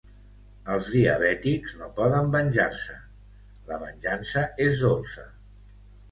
Els diabètics no poden venjar-se: la venjança és dolça.